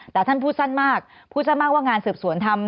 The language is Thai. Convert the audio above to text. แต่ท่านพูดสั้นมากพูดสั้นมากว่างานสืบสวนทำ